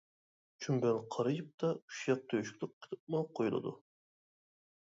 چۈمبەل قارا يىپتا ئۇششاق تۆشۈكلۈك قىلىپمۇ قويۇلىدۇ.